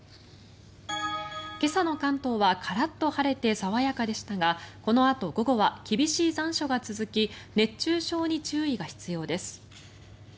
今朝の関東はカラッと晴れて爽やかでしたがこのあと午後は厳しい残暑が続き熱中症に注意が必要です。